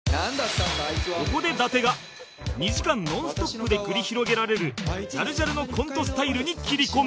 ここで伊達が２時間ノンストップで繰り広げられるジャルジャルのコントスタイルに斬りこむ